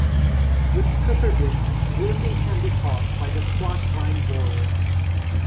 With Cucurbits, wilting can be caused by the Squash vine borer.